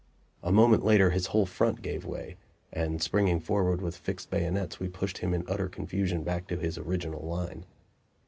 A moment later his whole front gave way, and springing forward with fixed bayonets we pushed him in utter confusion back to his original line.